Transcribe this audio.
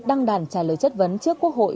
đăng đàn trả lời chất vấn trước quốc hội